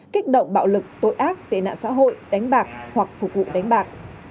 kích động bạo lực tội ác tệ nạn xã hội đánh bạc hoặc phục vụ đánh bạc